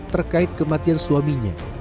terkait kematian suaminya